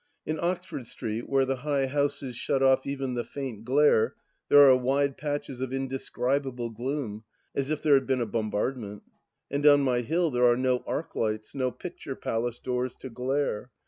In Oxford Street, where the high houses shut off even the faint glare, there are wide patches of indescribable gloom, as if there had been a bombardment. ... And on my hill there are no arc lights, no picture palace doors to glare